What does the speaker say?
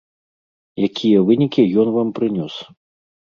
Якія вынікі ён вам прынёс?